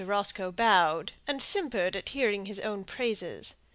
Roscoe bowed, and simpered at hearing his own praises.